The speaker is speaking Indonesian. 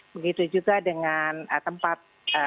begitu juga dengan tempat